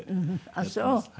あっそう。